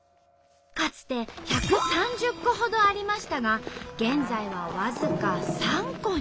かつて１３０戸ほどありましたが現在は僅か３戸に。